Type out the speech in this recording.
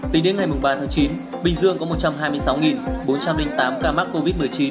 tính đến ngày ba tháng chín bình dương có một trăm hai mươi sáu bốn trăm linh tám ca mắc covid một mươi chín